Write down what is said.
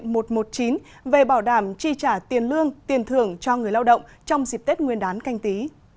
về bảo đảm chi trả tiền lương tiền thưởng cho người lao động trong dịp tết nguyên đán canh tí